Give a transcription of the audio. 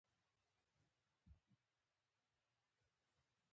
نجیب الدوله د شاه د لیدلو لپاره سرهند ته روان شوی.